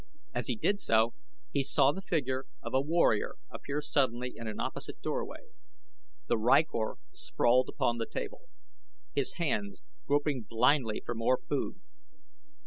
As he did so he saw the figure of a warrior appear suddenly in an opposite doorway. The rykor sprawled upon the table, his hands groping blindly for more food.